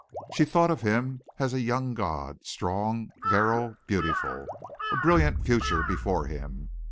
She thought of him as a young god, strong, virile, beautiful a brilliant future before him.